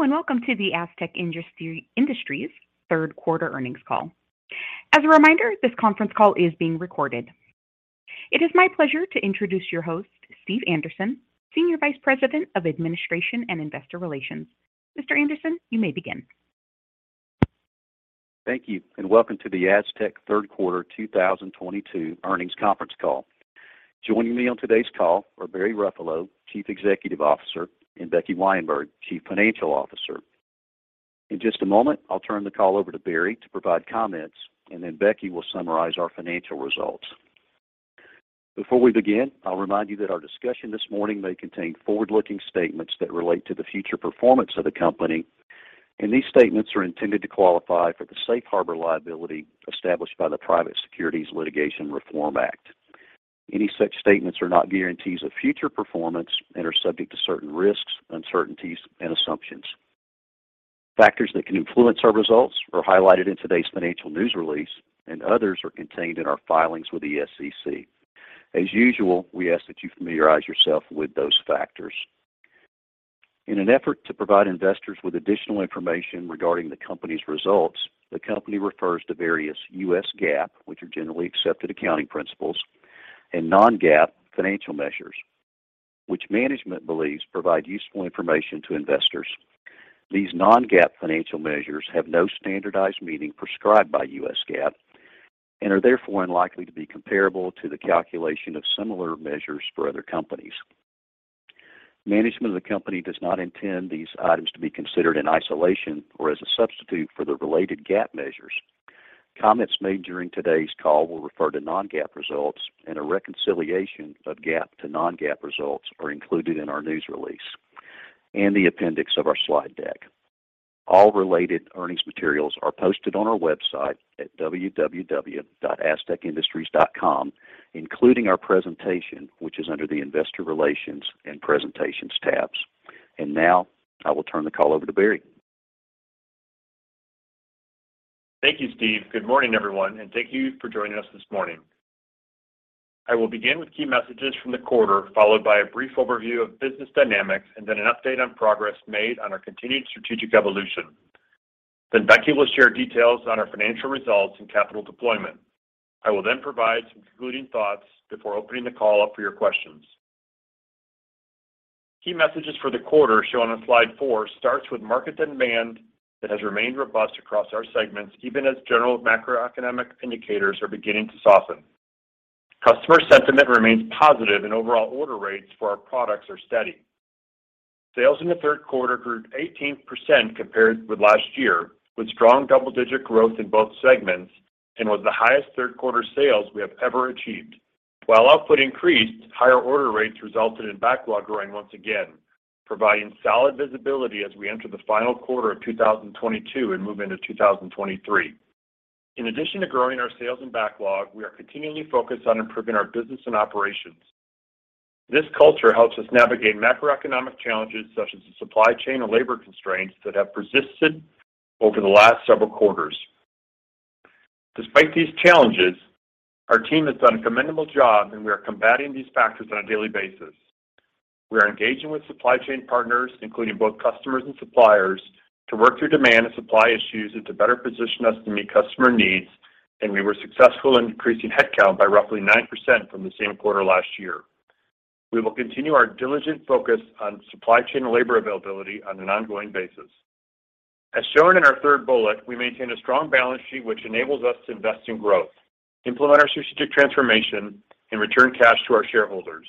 Hello and welcome to the Astec Industries third quarter earnings call. As a reminder, this conference call is being recorded. It is my pleasure to introduce your host, Steve Anderson, Senior Vice President of Administration and Investor Relations. Mr. Anderson, you may begin. Thank you, and welcome to the Astec third quarter 2022 earnings conference call. Joining me on today's call are Barry Ruffalo, Chief Executive Officer, and Becky Weyenberg, Chief Financial Officer. In just a moment, I'll turn the call over to Barry to provide comments, and then Becky will summarize our financial results. Before we begin, I'll remind you that our discussion this morning may contain forward-looking statements that relate to the future performance of the company. These statements are intended to qualify for the safe harbor liability established by the Private Securities Litigation Reform Act. Any such statements are not guarantees of future performance and are subject to certain risks, uncertainties, and assumptions. Factors that can influence our results are highlighted in today's financial news release, and others are contained in our filings with the SEC. As usual, we ask that you familiarize yourself with those factors. In an effort to provide investors with additional information regarding the company's results, the company refers to various U.S. GAAP, which are generally accepted accounting principles, and non-GAAP financial measures, which management believes provide useful information to investors. These non-GAAP financial measures have no standardized meaning prescribed by U.S. GAAP and are therefore unlikely to be comparable to the calculation of similar measures for other companies. Management of the company does not intend these items to be considered in isolation or as a substitute for the related GAAP measures. Comments made during today's call will refer to non-GAAP results, and a reconciliation of GAAP to non-GAAP results are included in our news release and the appendix of our slide deck. All related earnings materials are posted on our website at www.astecindustries.com, including our presentation, which is under the Investor Relations and Presentations tabs. Now, I will turn the call over to Barry. Thank you, Steve. Good morning, everyone, and thank you for joining us this morning. I will begin with key messages from the quarter, followed by a brief overview of business dynamics and then an update on progress made on our continued strategic evolution. Then Becky will share details on our financial results and capital deployment. I will then provide some concluding thoughts before opening the call up for your questions. Key messages for the quarter shown on slide four starts with market demand that has remained robust across our segments, even as general macroeconomic indicators are beginning to soften. Customer sentiment remains positive and overall order rates for our products are steady. Sales in the third quarter grew 18% compared with last year, with strong double-digit growth in both segments and was the highest third quarter sales we have ever achieved. While output increased, higher order rates resulted in backlog growing once again, providing solid visibility as we enter the final quarter of 2022 and move into 2023. In addition to growing our sales and backlog, we are continually focused on improving our business and operations. This culture helps us navigate macroeconomic challenges such as the supply chain or labor constraints that have persisted over the last several quarters. Despite these challenges, our team has done a commendable job, and we are combating these factors on a daily basis. We are engaging with supply chain partners, including both customers and suppliers, to work through demand and supply issues and to better position us to meet customer needs, and we were successful in increasing headcount by roughly 9% from the same quarter last year. We will continue our diligent focus on supply chain and labor availability on an ongoing basis. As shown in our third bullet, we maintain a strong balance sheet which enables us to invest in growth, implement our strategic transformation, and return cash to our shareholders.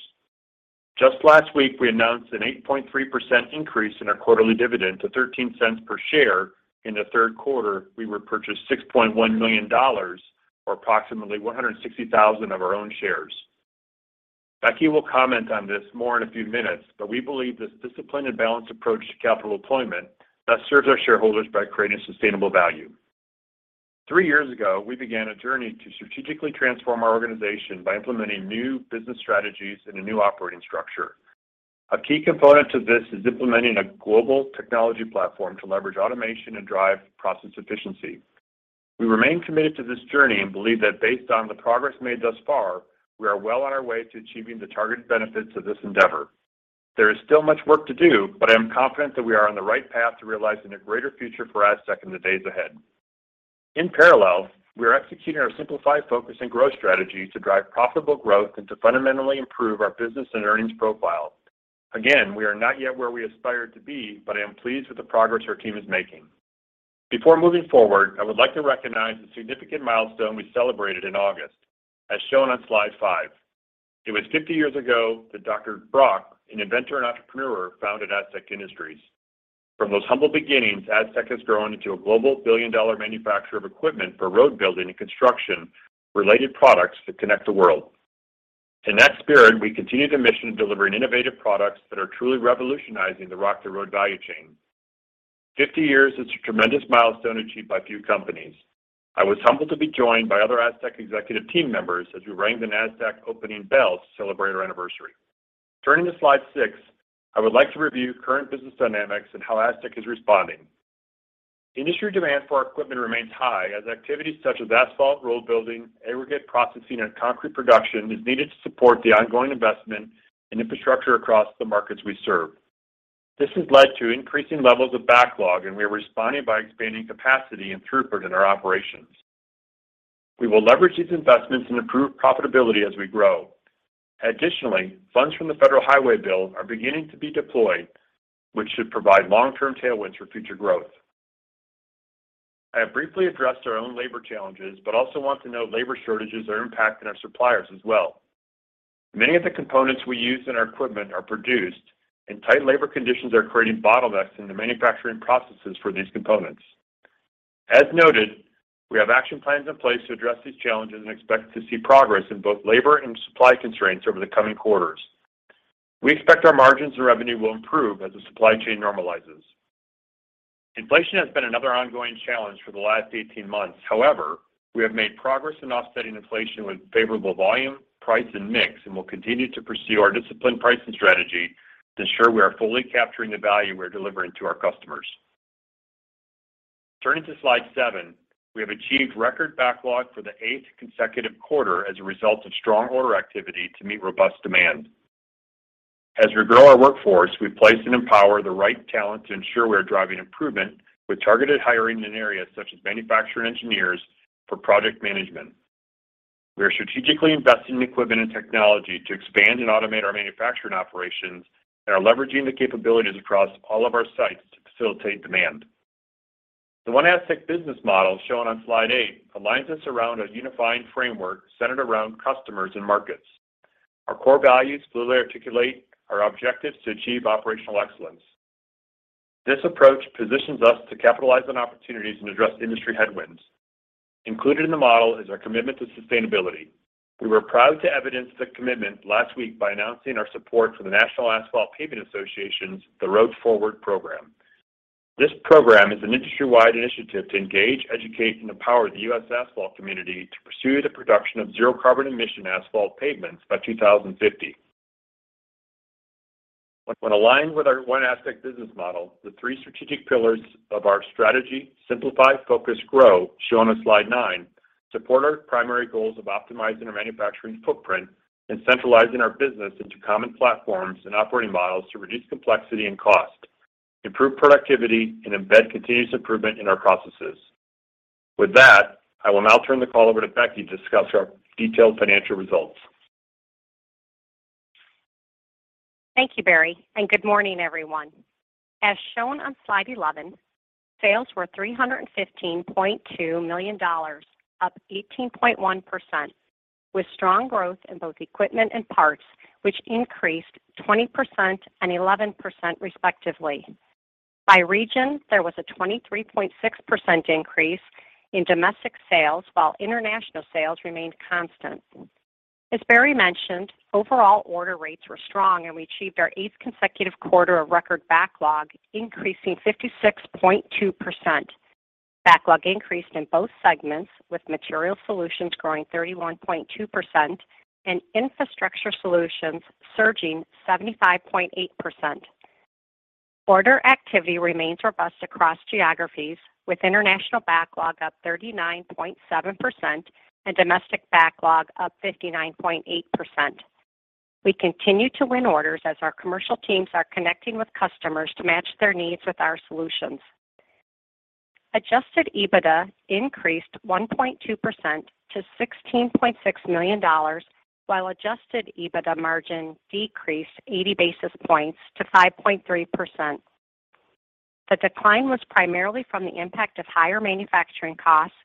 Just last week, we announced an 8.3% increase in our quarterly dividend to $0.13 per share. In the third quarter, we repurchased $6.1 million, or approximately 160,000 of our own shares. Becky will comment on this more in a few minutes, but we believe this disciplined and balanced approach to capital deployment best serves our shareholders by creating sustainable value. Three years ago, we began a journey to strategically transform our organization by implementing new business strategies and a new operating structure. A key component to this is implementing a global technology platform to leverage automation and drive process efficiency. We remain committed to this journey and believe that based on the progress made thus far, we are well on our way to achieving the targeted benefits of this endeavor. There is still much work to do, but I am confident that we are on the right path to realizing a greater future for Astec in the days ahead. In parallel, we are executing our simplified focus and growth strategy to drive profitable growth and to fundamentally improve our business and earnings profile. Again, we are not yet where we aspire to be, but I am pleased with the progress our team is making. Before moving forward, I would like to recognize the significant milestone we celebrated in August, as shown on slide five. It was 50 years ago that Dr. Brock, an inventor and entrepreneur, founded Astec Industries. From those humble beginnings, Astec has grown into a global billion-dollar manufacturer of equipment for road building and construction-related products that connect the world. In that spirit, we continue the mission of delivering innovative products that are truly revolutionizing the rock to road value chain. 50 years is a tremendous milestone achieved by few companies. I was humbled to be joined by other Astec executive team members as we rang the Nasdaq opening bell to celebrate our anniversary. Turning to slide six, I would like to review current business dynamics and how Astec is responding. Industry demand for our equipment remains high as activities such as asphalt road building, aggregate processing, and concrete production is needed to support the ongoing investment in infrastructure across the markets we serve. This has led to increasing levels of backlog, and we are responding by expanding capacity and throughput in our operations. We will leverage these investments and improve profitability as we grow. Additionally, funds from the Infrastructure Investment and Jobs Act are beginning to be deployed, which should provide long-term tailwinds for future growth. I have briefly addressed our own labor challenges, but also want to note labor shortages are impacting our suppliers as well. Many of the components we use in our equipment are produced, and tight labor conditions are creating bottlenecks in the manufacturing processes for these components. As noted, we have action plans in place to address these challenges and expect to see progress in both labor and supply constraints over the coming quarters. We expect our margins and revenue will improve as the supply chain normalizes. Inflation has been another ongoing challenge for the last 18 months. However, we have made progress in offsetting inflation with favorable volume, price, and mix, and we'll continue to pursue our disciplined pricing strategy to ensure we are fully capturing the value we're delivering to our customers. Turning to slide seven, we have achieved record backlog for the eighth consecutive quarter as a result of strong order activity to meet robust demand. As we grow our workforce, we place and empower the right talent to ensure we are driving improvement with targeted hiring in areas such as manufacturing engineers for project management. We are strategically investing in equipment and technology to expand and automate our manufacturing operations and are leveraging the capabilities across all of our sites to facilitate demand. The One Astec business model shown on slide eight aligns us around a unifying framework centered around customers and markets. Our core values clearly articulate our objectives to achieve operational excellence. This approach positions us to capitalize on opportunities and address industry headwinds. Included in the model is our commitment to sustainability. We were proud to evidence the commitment last week by announcing our support for the National Asphalt Pavement Association's - The Road Forward program. This program is an industry-wide initiative to engage, educate, and empower the U.S. asphalt community to pursue the production of zero carbon emission asphalt pavements by 2050. When aligned with our One Astec business model, the three strategic pillars of our strategy, simplify, focus, grow, shown on slide nine, support our primary goals of optimizing our manufacturing footprint and centralizing our business into common platforms and operating models to reduce complexity and cost, improve productivity, and embed continuous improvement in our processes. With that, I will now turn the call over to Becky to discuss our detailed financial results. Thank you, Barry, and good morning, everyone. As shown on slide 11, sales were $315.2 million, up 18.1% with strong growth in both equipment and parts, which increased 20% and 11% respectively. By region, there was a 23.6% increase in domestic sales while international sales remained constant. As Barry mentioned, overall order rates were strong and we achieved our eighth consecutive quarter of record backlog, increasing 56.2%. Backlog increased in both segments with Material Solutions growing 31.2% and Infrastructure Solutions surging 75.8%. Order activity remains robust across geographies with international backlog up 39.7% and domestic backlog up 59.8%. We continue to win orders as our commercial teams are connecting with customers to match their needs with our solutions. Adjusted EBITDA increased 1.2% to $16.6 million while adjusted EBITDA margin decreased 80 basis points to 5.3%. The decline was primarily from the impact of higher manufacturing costs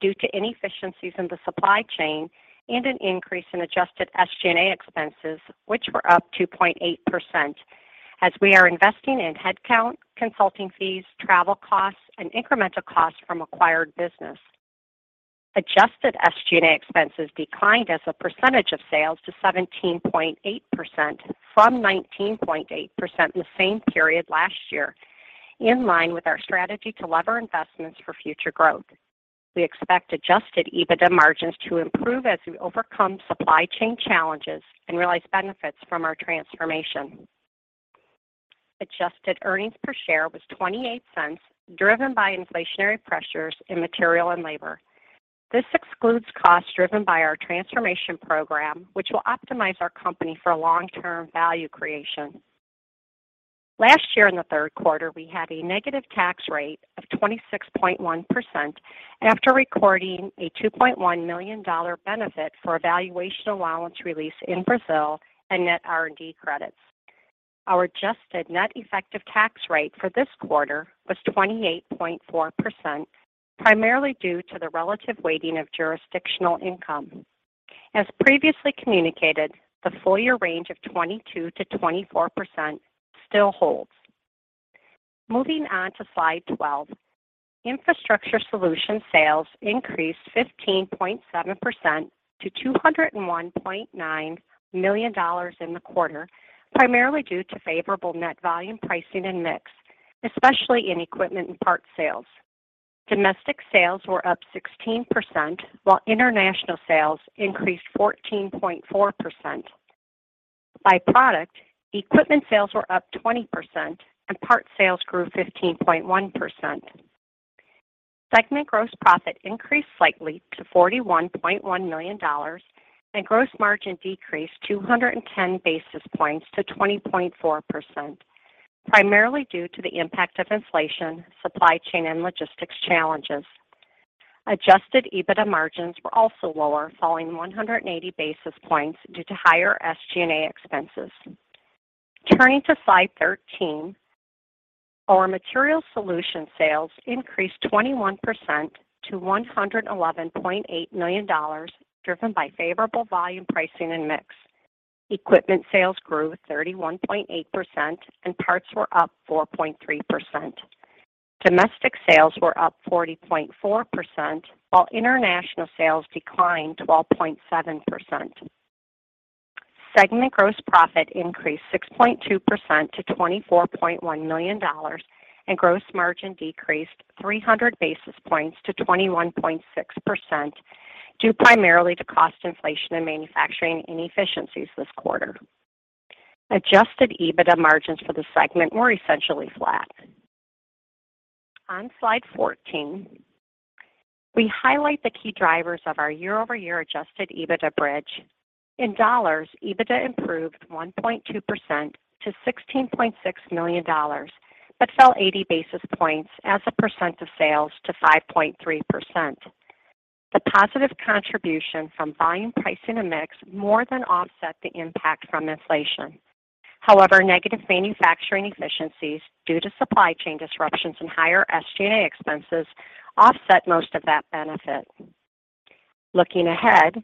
due to inefficiencies in the supply chain and an increase in adjusted SG&A expenses, which were up 2.8% as we are investing in headcount, consulting fees, travel costs, and incremental costs from acquired business. Adjusted SG&A expenses declined as a percentage of sales to 17.8% from 19.8% the same period last year, in line with our strategy to leverage investments for future growth. We expect adjusted EBITDA margins to improve as we overcome supply chain challenges and realize benefits from our transformation. Adjusted earnings per share was $0.28, driven by inflationary pressures in material and labor. This excludes costs driven by our transformation program, which will optimize our company for long-term value creation. Last year in the third quarter, we had a negative tax rate of 26.1% after recording a $2.1 million benefit for a valuation allowance release in Brazil and net R&D credits. Our adjusted net effective tax rate for this quarter was 28.4%, primarily due to the relative weighting of jurisdictional income. As previously communicated, the full year range of 22%-24% still holds. Moving on to slide 12. Infrastructure Solutions sales increased 15.7% to $201.9 million in the quarter, primarily due to favorable net volume pricing and mix, especially in equipment and parts sales. Domestic sales were up 16%, while international sales increased 14.4%. By product, equipment sales were up 20% and parts sales grew 15.1%. Segment gross profit increased slightly to $41.1 million and gross margin decreased 210 basis points to 20.4%, primarily due to the impact of inflation, supply chain and logistics challenges. Adjusted EBITDA margins were also lower, falling 180 basis points due to higher SG&A expenses. Turning to slide 13, our Material Solutions sales increased 21% to $111.8 million, driven by favorable volume pricing and mix. Equipment sales grew 31.8% and parts were up 4.3%. Domestic sales were up 40.4%, while international sales declined 12.7%. Segment gross profit increased 6.2% to $24.1 million, and gross margin decreased 300 basis points to 21.6% due primarily to cost inflation and manufacturing inefficiencies this quarter. Adjusted EBITDA margins for the segment were essentially flat. On slide 14, we highlight the key drivers of our year-over-year adjusted EBITDA bridge. In dollars, adjusted EBITDA improved 1.2% to $16.6 million, but fell 80 basis points as a percent of sales to 5.3%. The positive contribution from volume pricing and mix more than offset the impact from inflation. However, negative manufacturing efficiencies due to supply chain disruptions and higher SG&A expenses offset most of that benefit. Looking ahead,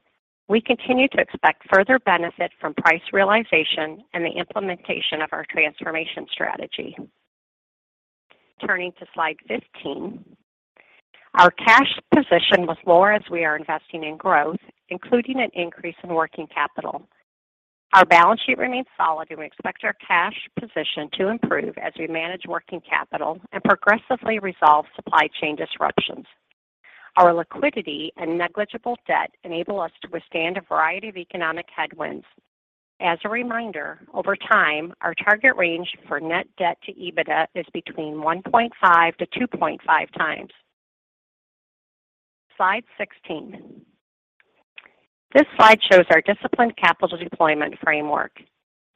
we continue to expect further benefit from price realization and the implementation of our transformation strategy. Turning to slide 15. Our cash position was lower as we are investing in growth, including an increase in working capital. Our balance sheet remains solid, and we expect our cash position to improve as we manage working capital and progressively resolve supply chain disruptions. Our liquidity and negligible debt enable us to withstand a variety of economic headwinds. As a reminder, over time, our target range for net debt to EBITDA is between 1.5-2.5 times. Slide 16. This slide shows our disciplined capital deployment framework.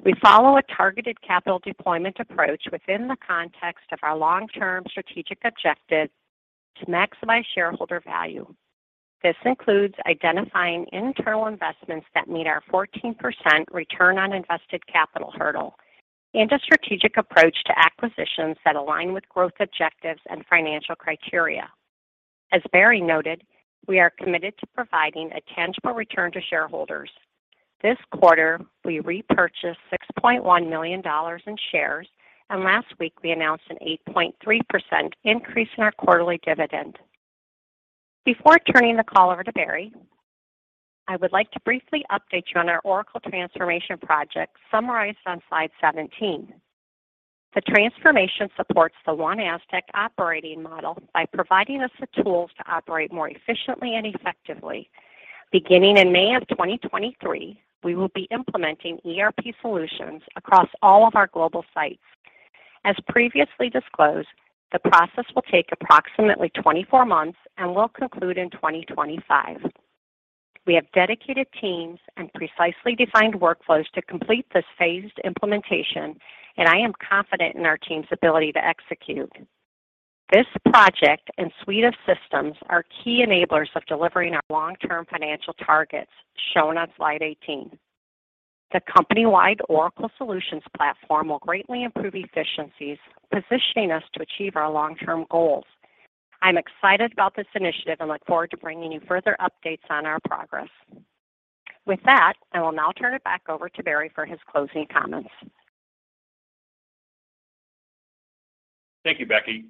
We follow a targeted capital deployment approach within the context of our long-term strategic objectives to maximize shareholder value. This includes identifying internal investments that meet our 14% return on invested capital hurdle and a strategic approach to acquisitions that align with growth objectives and financial criteria. As Barry noted, we are committed to providing a tangible return to shareholders. This quarter, we repurchased $6.1 million in shares, and last week we announced an 8.3% increase in our quarterly dividend. Before turning the call over to Barry, I would like to briefly update you on our Oracle transformation project summarized on slide 17. The transformation supports the One Astec operating model by providing us the tools to operate more efficiently and effectively. Beginning in May of 2023, we will be implementing ERP solutions across all of our global sites. As previously disclosed, the process will take approximately 24 months and will conclude in 2025. We have dedicated teams and precisely defined workflows to complete this phased implementation, and I am confident in our team's ability to execute. This project and suite of systems are key enablers of delivering our long-term financial targets shown on slide 18. The company-wide Oracle Solutions platform will greatly improve efficiencies, positioning us to achieve our long-term goals. I'm excited about this initiative and look forward to bringing you further updates on our progress. With that, I will now turn it back over to Barry for his closing comments. Thank you, Becky.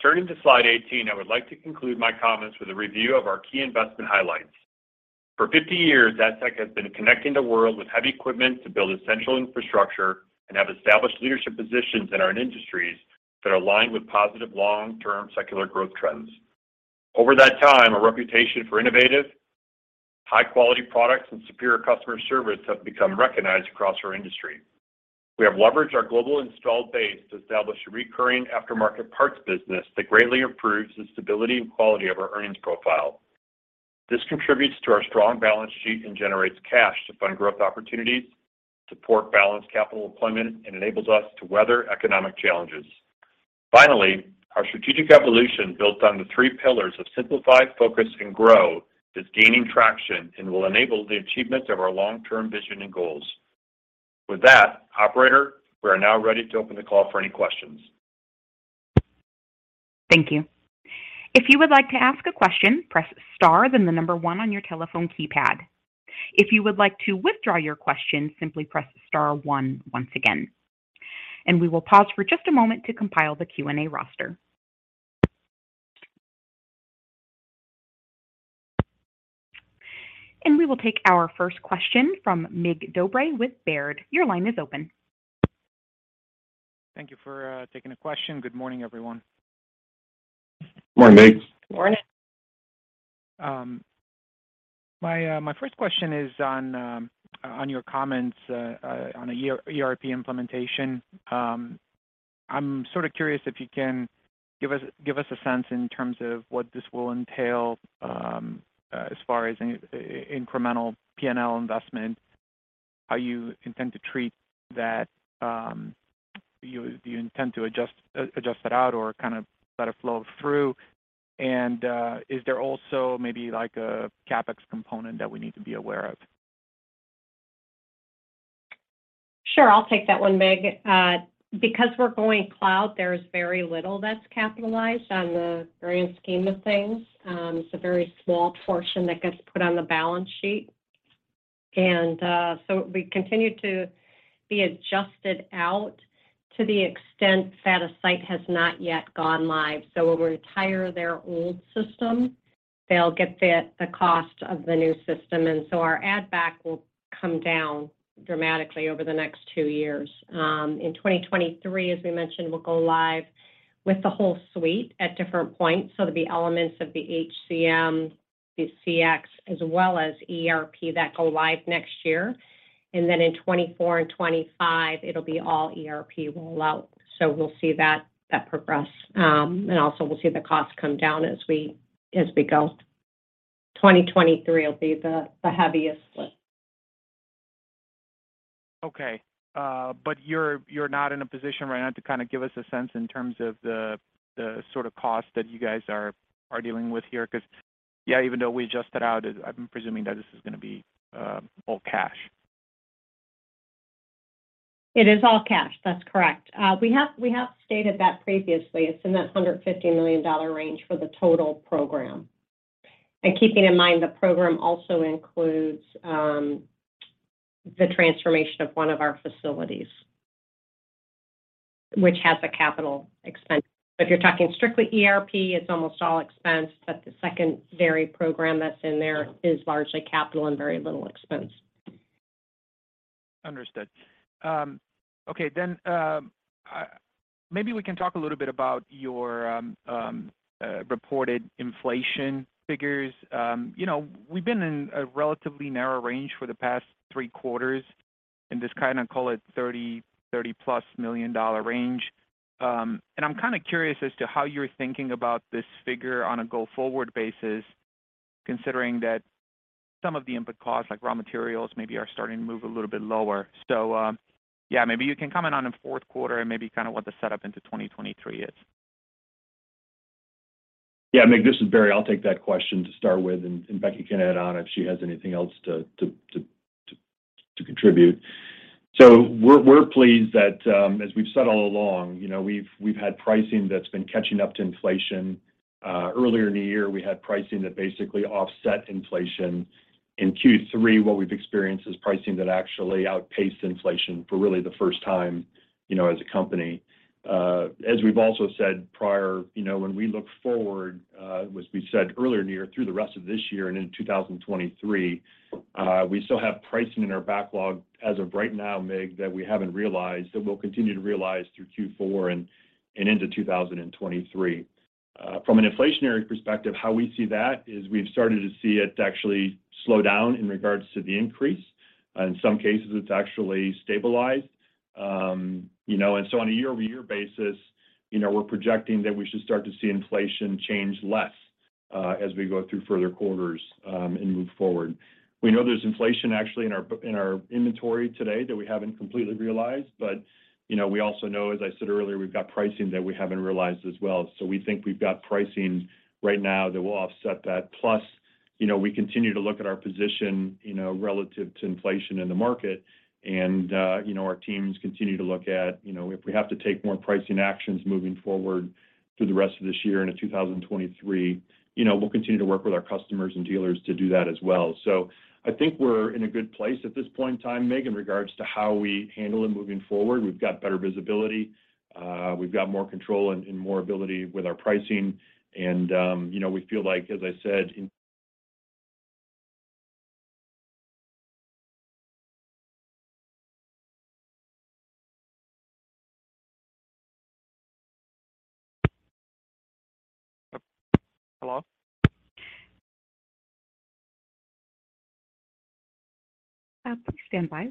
Turning to slide 18, I would like to conclude my comments with a review of our key investment highlights. For 50 years, Astec has been connecting the world with heavy equipment to build essential infrastructure and have established leadership positions in our industries that are aligned with positive long-term secular growth trends. Over that time, a reputation for innovative, high quality products and superior customer service have become recognized across our industry. We have leveraged our global installed base to establish a recurring aftermarket parts business that greatly improves the stability and quality of our earnings profile. This contributes to our strong balance sheet and generates cash to fund growth opportunities, support balanced capital deployment, and enables us to weather economic challenges. Finally, our strategic evolution built on the three pillars of simplify, focus, and grow is gaining traction and will enable the achievement of our long-term vision and goals. With that, operator, we are now ready to open the call for any questions. Thank you. If you would like to ask a question, press star, then the number one on your telephone keypad. If you would like to withdraw your question, simply press star one once again. We will pause for just a moment to compile the Q&A roster. We will take our first question from Mig Dobre with Baird. Your line is open. Thank you for taking a question. Good morning, everyone. Good morning, Mig. Good morning. My first question is on your comments on an ERP implementation. I'm sorta curious if you can give us a sense in terms of what this will entail as far as incremental P&L investment, how you intend to treat that. Do you intend to adjust that out or kinda let it flow through? Is there also maybe, like, a CapEx component that we need to be aware of? Sure. I'll take that one, Mig. Because we're going cloud, there's very little that's capitalized on the grand scheme of things. It's a very small portion that gets put on the balance sheet. We continue to be adjusted out to the extent that a site has not yet gone live. When we retire their old system, they'll get the cost of the new system. Our add back will come down dramatically over the next two years. In 2023, as we mentioned, we'll go live with the whole suite at different points. There'll be elements of the HCM, the CX, as well as ERP that go live next year. In 2024 and 2025, it'll be all ERP roll-out. We'll see that progress. We'll see the costs come down as we go. 2023 will be the heaviest lift. Okay. You're not in a position right now to kinda give us a sense in terms of the sorta cost that you guys are dealing with here 'cause, yeah, even though we adjust it out, I'm presuming that this is gonna be all cash. It is all cash. That's correct. We have stated that previously. It's in that $150 million range for the total program. Keeping in mind, the program also includes the transformation of one of our facilities, which has a capital expense. If you're talking strictly ERP, it's almost all expense, but the second very program that's in there is largely capital and very little expense. Understood. Okay, maybe we can talk a little bit about your reported inflation figures. You know, we've been in a relatively narrow range for the past three quarters, in this kinda call it $30 million+ range. I'm kinda curious as to how you're thinking about this figure on a go-forward basis, considering that some of the input costs, like raw materials, maybe are starting to move a little bit lower. Maybe you can comment on the fourth quarter and maybe kinda what the setup into 2023 is. Yeah. Mig, this is Barry. I'll take that question to start with, and Becky can add on if she has anything else to contribute. We're pleased that, as we've said all along, you know, we've had pricing that's been catching up to inflation. Earlier in the year, we had pricing that basically offset inflation. In Q3, what we've experienced is pricing that actually outpaced inflation for really the first time, you know, as a company. As we've also said prior, you know, when we look forward, as we said earlier in the year, through the rest of this year and into 2023, we still have pricing in our backlog as of right now, Mig, that we haven't realized, that we'll continue to realize through Q4 and into 2023. From an inflationary perspective, how we see that is we've started to see it actually slow down in regards to the increase. In some cases, it's actually stabilized. You know, on a year-over-year basis, you know, we're projecting that we should start to see inflation change less, as we go through further quarters, and move forward. We know there's inflation actually in our inventory today that we haven't completely realized, but, you know, we also know, as I said earlier, we've got pricing that we haven't realized as well. We think we've got pricing right now that will offset that. Plus, you know, we continue to look at our position, you know, relative to inflation in the market, and, you know, our teams continue to look at, you know, if we have to take more pricing actions moving forward through the rest of this year and in 2023, you know, we'll continue to work with our customers and dealers to do that as well. I think we're in a good place at this point in time, Mig, in regards to how we handle it moving forward. We've got better visibility. We've got more control and more ability with our pricing, and, you know, we feel like, as I said, in- Hello? Please stand by.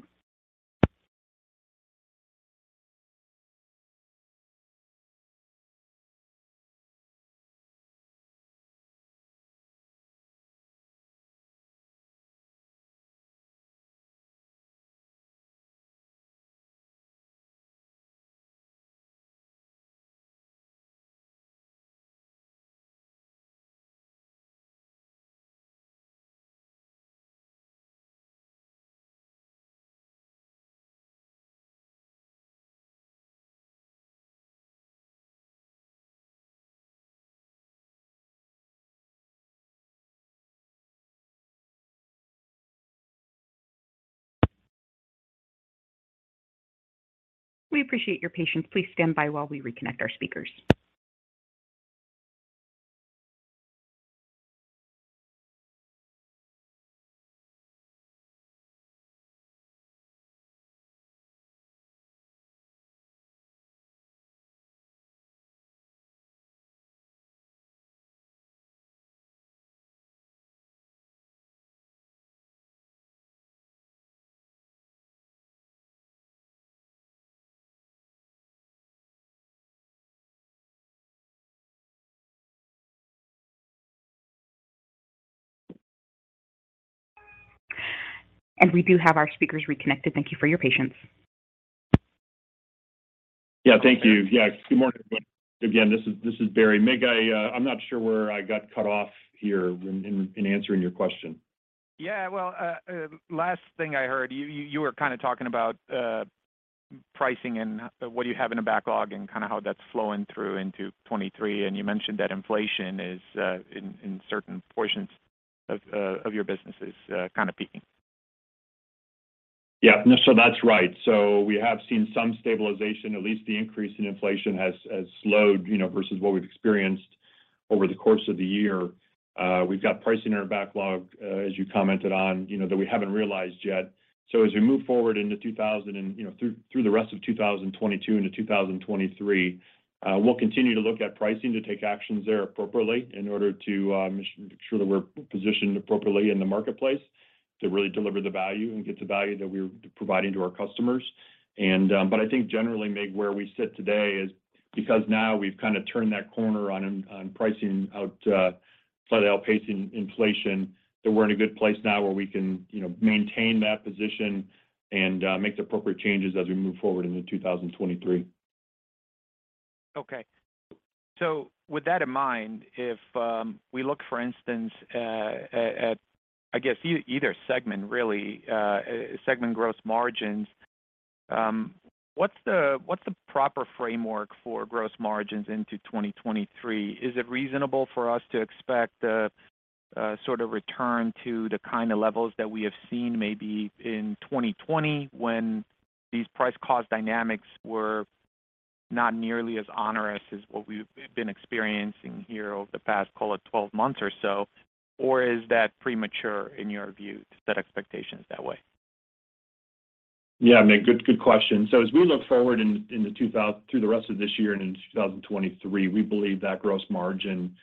We appreciate your patience. Please stand by while we reconnect our speakers. We do have our speakers reconnected. Thank you for your patience. Yeah. Thank you. Yeah. Good morning, everybody. Again, this is Barry. Mig, I'm not sure where I got cut off here in answering your question. Yeah. Well, last thing I heard, you were kind of talking about pricing and what you have in the backlog and kind of how that's flowing through into 2023, and you mentioned that inflation is in certain portions of your business is kind of peaking. Yeah. No, so that's right. We have seen some stabilization. At least the increase in inflation has slowed, you know, versus what we've experienced over the course of the year. We've got pricing in our backlog, as you commented on, you know, that we haven't realized yet. As we move forward through the rest of 2022 into 2023, we'll continue to look at pricing to take actions there appropriately in order to make sure that we're positioned appropriately in the marketplace to really deliver the value and get the value that we're providing to our customers. I think generally, Mig, where we sit today is because now we've kind of turned that corner on pricing out, slightly outpacing inflation, that we're in a good place now where we can, you know, maintain that position and make the appropriate changes as we move forward into 2023. Okay. With that in mind, if we look for instance at at I guess either segment really segment gross margins, what's the proper framework for gross margins into 2023? Is it reasonable for us to expect a sort of return to the kind of levels that we have seen maybe in 2020 when these price-cost dynamics were not nearly as onerous as what we've been experiencing here over the past, call it 12 months or so? Or is that premature in your view to set expectations that way? Yeah, Mig, good question. As we look forward through the rest of this year and into 2023, we believe that gross margin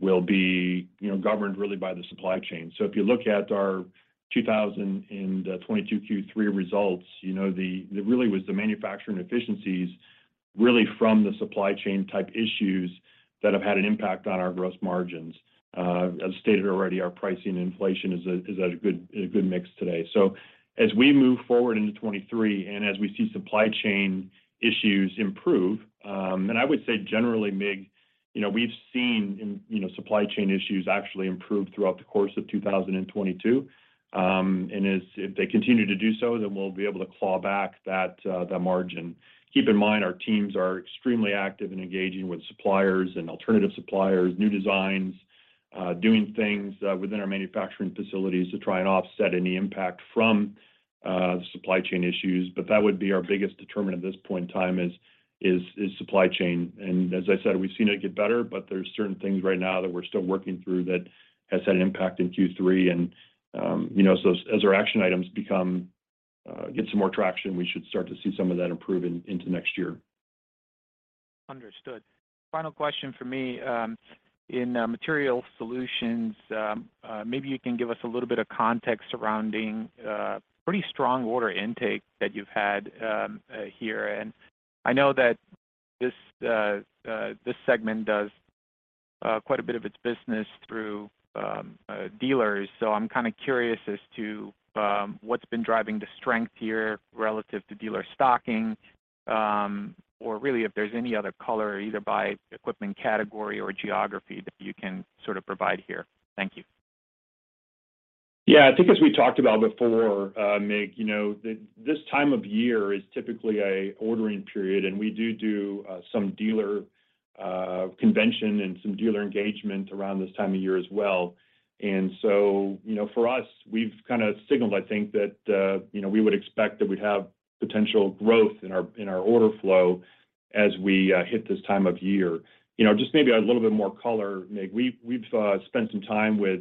will be, you know, governed really by the supply chain. If you look at our 2022 Q3 results, you know, it really was the manufacturing efficiencies really from the supply chain type issues that have had an impact on our gross margins. As stated already, our pricing inflation is at a good mix today. As we move forward into 2023 and as we see supply chain issues improve, and I would say generally, Mig, you know, we've seen supply chain issues actually improve throughout the course of 2022. As if they continue to do so, then we'll be able to claw back that margin. Keep in mind our teams are extremely active in engaging with suppliers and alternative suppliers, new designs, doing things within our manufacturing facilities to try and offset any impact from the supply chain issues. That would be our biggest determinant at this point in time is supply chain. As I said, we've seen it get better, but there's certain things right now that we're still working through that has had an impact in Q3. You know, as our action items get some more traction, we should start to see some of that improve into next year. Understood. Final question for me. In Material Solutions, maybe you can give us a little bit of context surrounding pretty strong order intake that you've had here. I know that this segment does quite a bit of its business through dealers. I'm kind of curious as to what's been driving the strength here relative to dealer stocking or really if there's any other color either by equipment category or geography that you can sort of provide here. Thank you. Yeah. I think as we talked about before, Mig, you know, this time of year is typically an ordering period, and we do some dealer convention and some dealer engagement around this time of year as well. You know, for us, we've kind of signaled, I think, that, you know, we would expect that we'd have potential growth in our order flow as we hit this time of year. You know, just maybe a little bit more color, Mig. We've spent some time with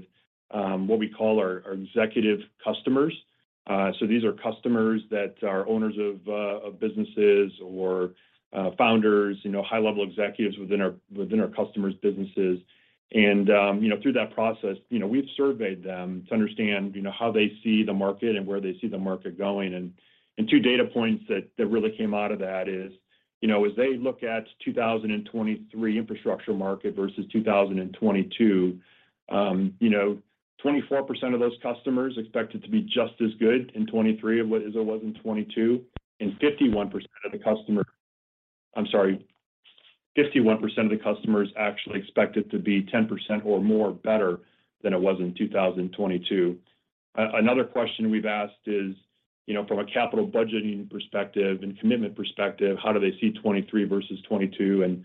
what we call our executive customers. These are customers that are owners of businesses or founders, you know, high-level executives within our customers' businesses. Through that process, you know, we've surveyed them to understand, you know, how they see the market and where they see the market going. Two data points that really came out of that is, you know, as they look at 2023 infrastructure market versus 2022, you know, 24% of those customers expect it to be just as good in 2023 as it was in 2022, and 51% of the customers actually expect it to be 10% or more better than it was in 2022. Another question we've asked is, you know, from a capital budgeting perspective and commitment perspective, how do they see 2023 versus 2022?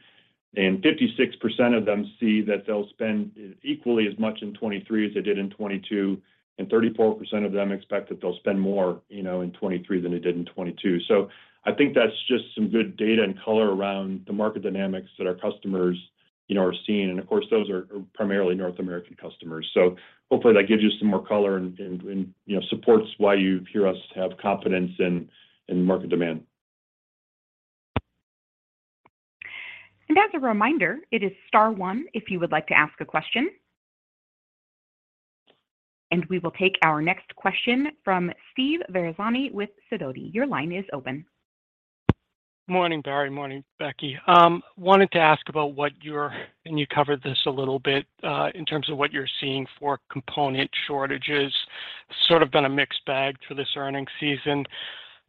56% of them see that they'll spend equally as much in 2023 as they did in 2022, and 34% of them expect that they'll spend more, you know, in 2023 than they did in 2022. I think that's just some good data and color around the market dynamics that our customers, you know, are seeing. Of course, those are primarily North American customers. Hopefully that gives you some more color and, you know, supports why you hear us have confidence in market demand. As a reminder, it is star one if you would like to ask a question. We will take our next question from Steve Ferazani with Sidoti. Your line is open. Morning, Barry. Morning, Becky. Wanted to ask about what you're seeing for component shortages. You covered this a little bit in terms of what you're seeing for component shortages. Sort of been a mixed bag for this earnings season.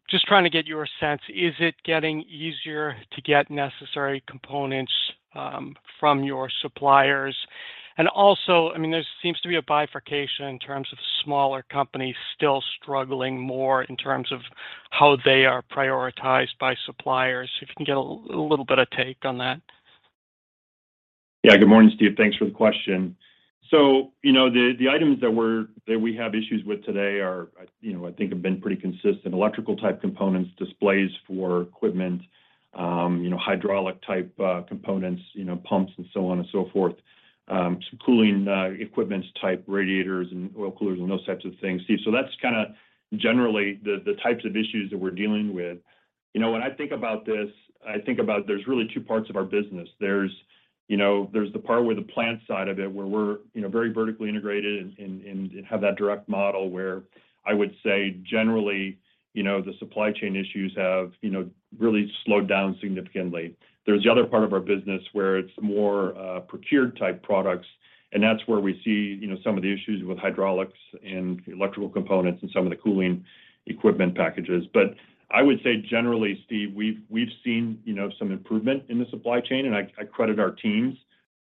Just trying to get your sense, is it getting easier to get necessary components from your suppliers? Also, I mean, there seems to be a bifurcation in terms of smaller companies still struggling more in terms of how they are prioritized by suppliers. If you can get a little bit of take on that. Yeah. Good morning, Steve. Thanks for the question. You know, the items that we have issues with today are, you know, I think have been pretty consistent. Electrical type components, displays for equipment, you know, hydraulic type components, you know, pumps and so on and so forth. Some cooling equipment type radiators and oil coolers and those types of things, Steve. That's kinda generally the types of issues that we're dealing with. You know, when I think about this, I think about there's really two parts of our business. There's the part with the plant side of it, where we're, you know, very vertically integrated and have that direct model where I would say generally, you know, the supply chain issues have, you know, really slowed down significantly. There's the other part of our business where it's more procured type products, and that's where we see, you know, some of the issues with hydraulics and electrical components and some of the cooling equipment packages. I would say generally, Steve, we've seen, you know, some improvement in the supply chain, and I credit our teams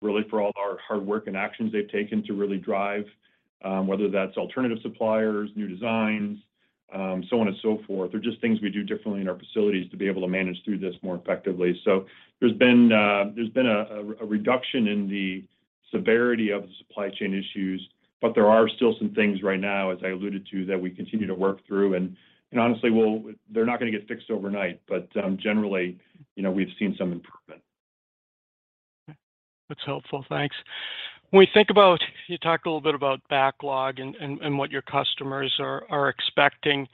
really for all our hard work and actions they've taken to really drive whether that's alternative suppliers, new designs, so on and so forth. They're just things we do differently in our facilities to be able to manage through this more effectively. There's been a reduction in the severity of the supply chain issues, but there are still some things right now, as I alluded to, that we continue to work through. Honestly, they're not gonna get fixed overnight, but generally, you know, we've seen some improvement. That's helpful. Thanks. You talked a little bit about backlog and what your customers are expecting.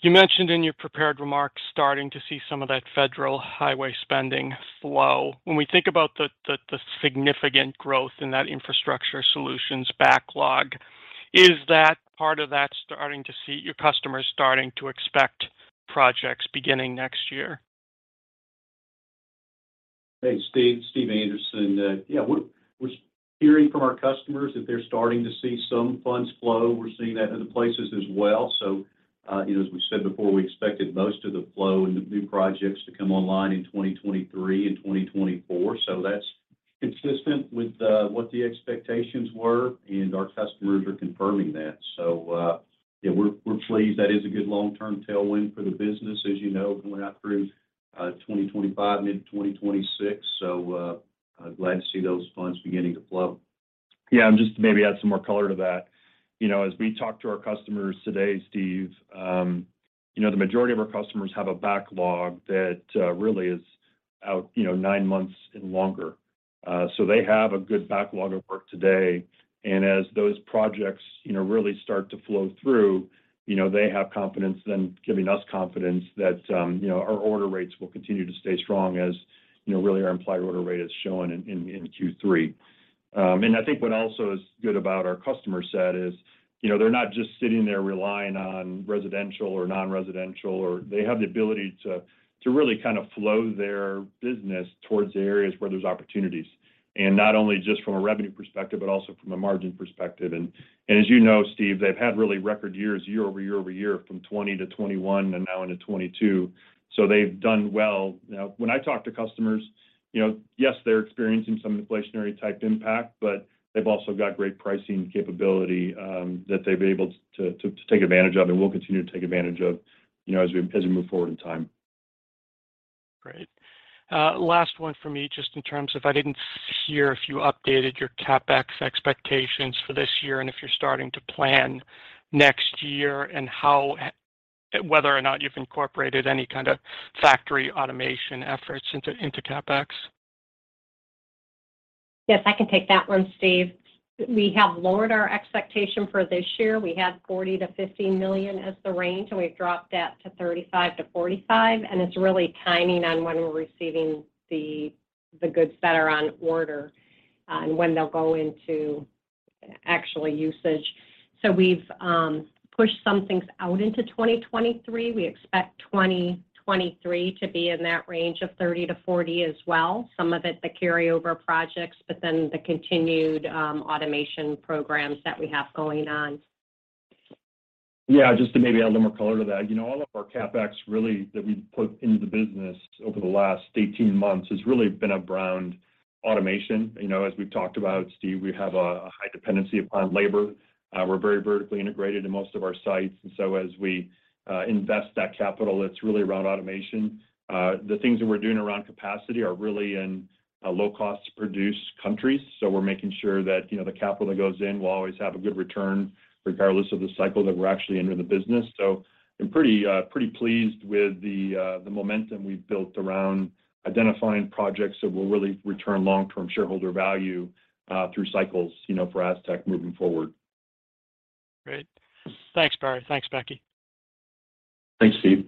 You mentioned in your prepared remarks starting to see some of that federal highway spending flow. When we think about the significant growth in that Infrastructure Solutions backlog, is that part of that starting to see your customers starting to expect projects beginning next year? Hey, Steve. Steve Anderson. Yeah, we're hearing from our customers if they're starting to see some funds flow. We're seeing that in other places as well. You know, as we said before, we expected most of the flow in the new projects to come online in 2023 and 2024. That's consistent with what the expectations were, and our customers are confirming that. Yeah, we're pleased. That is a good long-term tailwind for the business as you know, going out through 2025 into 2026. Glad to see those funds beginning to flow. Yeah. Just to maybe add some more color to that. You know, as we talk to our customers today, Steve, you know, the majority of our customers have a backlog that really is out, you know, nine months and longer. They have a good backlog of work today. As those projects, you know, really start to flow through, you know, they have confidence then giving us confidence that, you know, our order rates will continue to stay strong as, you know, really our implied order rate is showing in Q3. I think what also is good about our customer set is, you know, they're not just sitting there relying on residential or non-residential, or they have the ability to really kind of flow their business towards the areas where there's opportunities, and not only just from a revenue perspective, but also from a margin perspective. As you know, Steve, they've had really record years year-over-year-over-year from 2020 to 2021 and now into 2022. They've done well. You know, when I talk to customers, you know, yes, they're experiencing some inflationary type impact, but they've also got great pricing capability, that they've been able to take advantage of and will continue to take advantage of, you know, as we move forward in time. Great. Last one for me, just in terms of, I didn't hear if you updated your CapEx expectations for this year and if you're starting to plan next year and how whether or not you've incorporated any kind of factory automation efforts into CapEx. Yes, I can take that one, Steve. We have lowered our expectation for this year. We had $40 million-$50 million as the range, and we've dropped that to $35 million-$45 million, and it's really timing on when we're receiving the goods that are on order, and when they'll go into actual usage. We've pushed some things out into 2023. We expect 2023 to be in that range of $30 million-$40 million as well. Some of it the carryover projects, but then the continued automation programs that we have going on. Yeah, just to maybe add a little more color to that. You know, all of our CapEx really that we've put into the business over the last 18 months has really been around automation. You know, as we've talked about, Steve, we have a high dependency upon labor. We're very vertically integrated in most of our sites. As we invest that capital, it's really around automation. The things that we're doing around capacity are really in low-cost producer countries. We're making sure that, you know, the capital that goes in will always have a good return regardless of the cycle that we're actually in the business. I'm pretty pleased with the momentum we've built around identifying projects that will really return long-term shareholder value through cycles, you know, for Astec moving forward. Great. Thanks, Barry. Thanks, Becky. Thanks, Steve.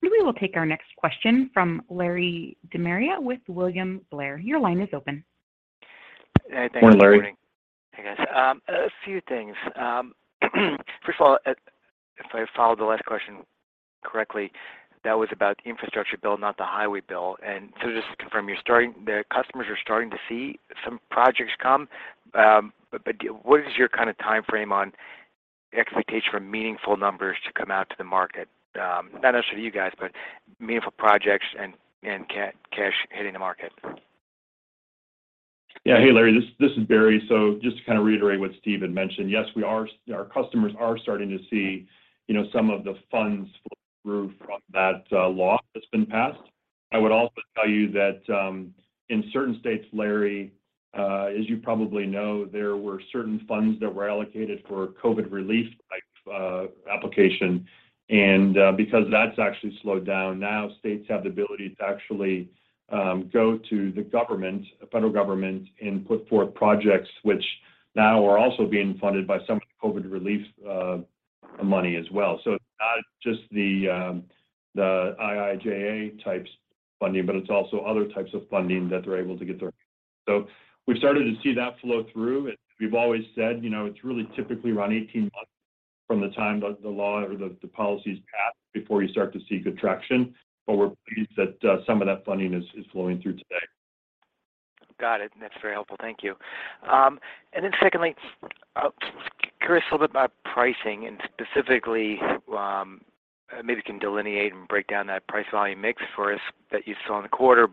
We will take our next question from Larry De Maria with William Blair. Your line is open. Good morning, Larry. Hey, guys. A few things. First of all, if I followed the last question correctly, that was about the infrastructure bill, not the highway bill. Just to confirm, the customers are starting to see some projects come. But what is your kinda timeframe on expectation for meaningful numbers to come out to the market? Not necessarily you guys, but meaningful projects and cash hitting the market. Yeah. Hey, Larry, this is Barry. Just to kinda reiterate what Steve had mentioned, yes, our customers are starting to see, you know, some of the funds flow through from that law that's been passed. I would also tell you that, in certain states, Larry, as you probably know, there were certain funds that were allocated for COVID relief type application. Because that's actually slowed down, now states have the ability to actually go to the government, federal government, and put forth projects which now are also being funded by some COVID relief money as well. It's not just the IIJA types funding, but it's also other types of funding that they're able to get there. We've started to see that flow through. As we've always said, you know, it's really typically around 18 months from the time the law or the policy is passed before you start to see good traction. We're pleased that some of that funding is flowing through today. Got it, and that's very helpful. Thank you. And then secondly, curious a little bit about pricing and specifically, maybe you can delineate and break down that price volume mix for us that you saw in the quarter.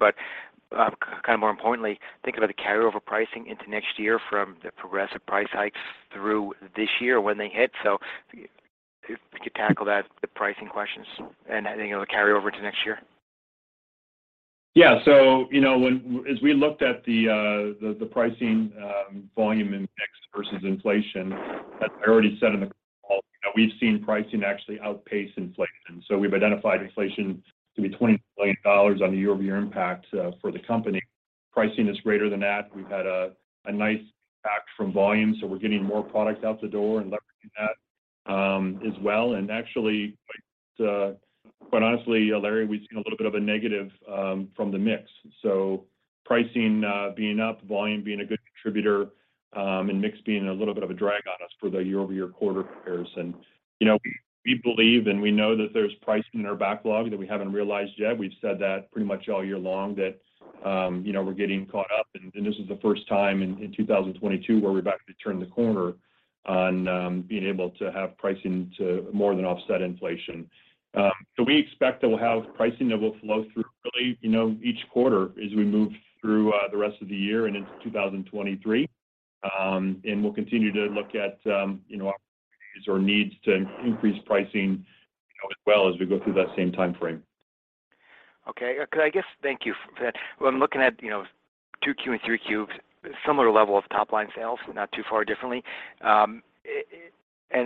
Kinda more importantly, thinking about the carryover pricing into next year from the progressive price hikes through this year when they hit. If you could tackle that, the pricing questions and anything that will carry over to next year. Yeah. So, you know, as we looked at the pricing, volume in mix versus inflation, as I already said in the call, you know, we've seen pricing actually outpace inflation. We've identified inflation to be $20 million on the year-over-year impact for the company. Pricing is greater than that. We've had a nice impact from volume, so we're getting more product out the door and leveraging that as well. Actually, quite honestly, Larry, we've seen a little bit of a negative from the mix. Pricing being up, volume being a good contributor, and mix being a little bit of a drag on us for the year-over-year quarter comparison. You know, we believe, and we know that there's pricing in our backlog that we haven't realized yet. We've said that pretty much all year long, that you know, we're getting caught up. This is the first time in 2022 where we're about to turn the corner on being able to have pricing to more than offset inflation. We expect that we'll have pricing that will flow through really you know, each quarter as we move through the rest of the year and into 2023. We'll continue to look at you know, opportunities or needs to increase pricing you know, as well as we go through that same timeframe. Thank you for that. When looking at, you know, 2Q and 3Q, similar level of top-line sales, not too far differently. And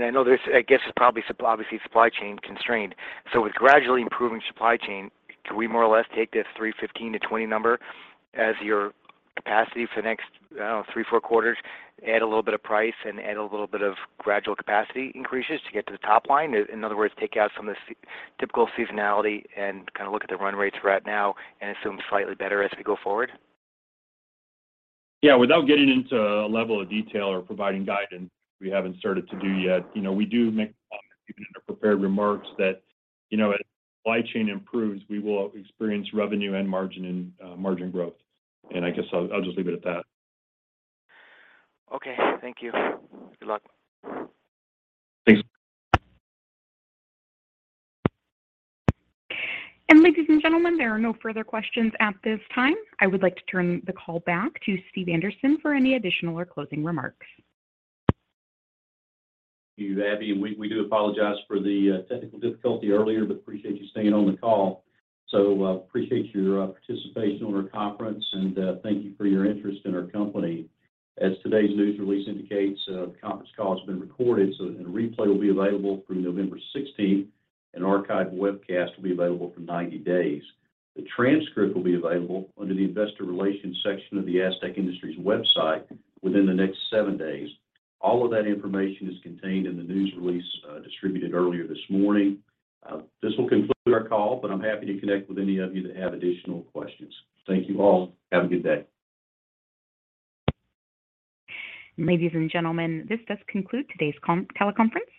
I know there's, I guess, probably obviously supply chain constraint. With gradually improving supply chain, can we more or less take this $315-$320 number as your capacity for the next, I don't know, three to four quarters, add a little bit of price and add a little bit of gradual capacity increases to get to the top line? In other words, take out some of the typical seasonality and kinda look at the run rates we're at now and assume slightly better as we go forward. Yeah. Without getting into a level of detail or providing guidance we haven't started to do yet, you know, we do make a comment even in our prepared remarks that, you know, as supply chain improves, we will experience revenue and margin and margin growth. I guess I'll just leave it at that. Okay. Thank you. Good luck. Thanks. Ladies and gentlemen, there are no further questions at this time. I would like to turn the call back to Steve Anderson for any additional or closing remarks. Thank you, Abby, and we do apologize for the technical difficulty earlier, but appreciate you staying on the call. Appreciate your participation on our conference, and thank you for your interest in our company. As today's news release indicates, the conference call has been recorded, so a replay will be available through November 16th, an archive webcast will be available for 90 days. The transcript will be available under the Investor Relations section of the Astec Industries website within the next seven days. All of that information is contained in the news release distributed earlier this morning. This will conclude our call, but I'm happy to connect with any of you that have additional questions. Thank you all. Have a good day. Ladies and gentlemen, this does conclude today's teleconference.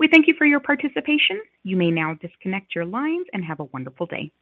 We thank you for your participation. You may now disconnect your lines and have a wonderful day.